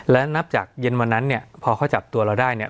และนับจากเย็นวันนั้นเนี่ยพอเขาจับตัวเราได้เนี่ย